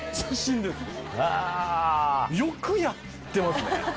よくやってますね。